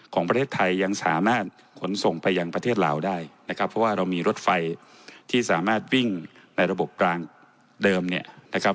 ของประเทศไทยยังสามารถขนส่งไปยังประเทศลาวได้นะครับเพราะว่าเรามีรถไฟที่สามารถวิ่งในระบบกลางเดิมเนี่ยนะครับ